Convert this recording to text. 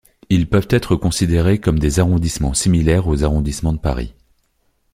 Ils peuvent être considérés comme des arrondissements similaires aux arrondissements de Paris.